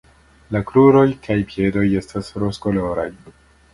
La kruroj kaj piedoj estas rozkoloraj.